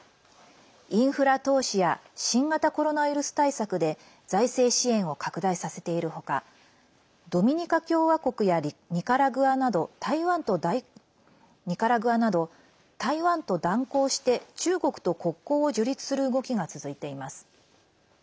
インフラ投資や新型コロナウイルス対策で財政支援を拡大させているほかドミニカ共和国やニカラグアなど台湾と断交して中国と国交を樹立する動きが続いています。